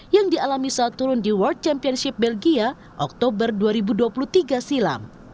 yang dialami saat turun di world championship belgia oktober dua ribu dua puluh tiga silam